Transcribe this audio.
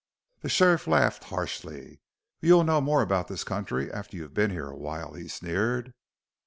The sheriff laughed harshly. "You'll know more about this country after you've been here a while," he sneered.